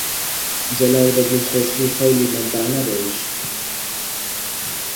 جەلال بە دڵخۆشی و قەولی مەردانە ڕۆیشت